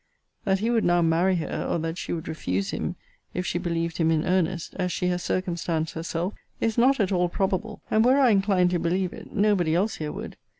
That he would now marry her, or that she would refuse him, if she believed him in earnest, as she has circumstanced herself, is not at all probable; and were I inclined to believe it, nobody else here would.